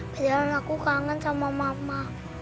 biar aku kangen sama mama